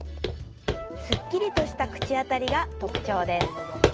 すっきりとした口当たりが特徴です。